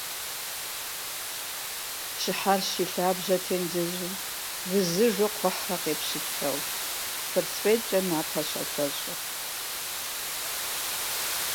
Сегодня я имею честь выступить с кратким отчетом о работе, проделанной Комитетом.